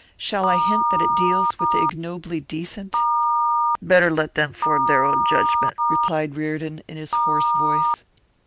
'Shall I hint that it deals with the ignobly decent?' 'Better let them form their own judgment,' replied Reardon, in his hoarse voice.